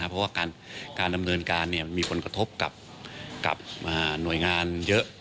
เพราะว่าการดำเนินการมีผลกระทบกับหน่วยงานเยอะ